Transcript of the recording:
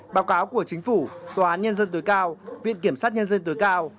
báo cáo của chính phủ tòa án nhân dân tối cao viện kiểm sát nhân dân tối cao